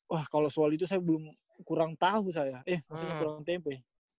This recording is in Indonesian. wah kalau soal itu saya belum kurang tahu saya eh maksudnya kurang tempe